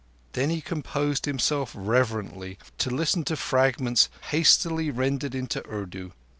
Then he composed himself reverently to listen to fragments hastily rendered into Urdu.